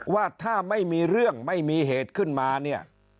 ว่าถ้าไม่มีเรื่องไม่มีเหตุขึ้นมาเนี่ย